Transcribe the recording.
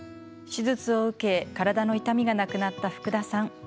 手術を受け体の痛みがなくなった福田さん。